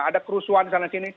ada kerusuhan sana sini